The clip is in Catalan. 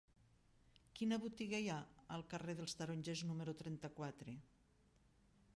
Quina botiga hi ha al carrer dels Tarongers número trenta-quatre?